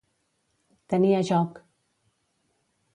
Tenir a joc.